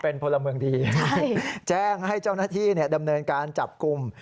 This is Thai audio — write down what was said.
เป็นพลเมืองดีแจ้งให้เจ้าหน้าที่ดำเนินการจับกลุ่ม